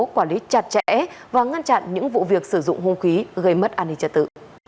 quản lý chặt chẽ và ngăn chặn những vụ việc sử dụng hung khí gây mất an ninh trật tự